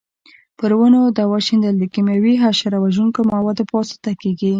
پر ونو دوا شیندل د کېمیاوي حشره وژونکو موادو په واسطه کېږي.